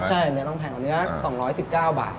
ใช่เนื้อต้องแพงกว่าเนื้อ๒๑๙บาท